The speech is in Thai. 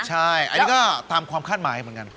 ใช่อันนี้ก็ตามความคาดหมายเหมือนกัน